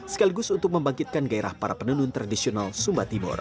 sekaligus untuk membangkitkan gairah para penenun tradisional sumba timur